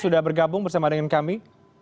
sudah bergabung bersama dengan kami